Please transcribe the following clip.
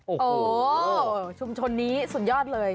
โอ้โหชุมชนนี้สุดยอดเลย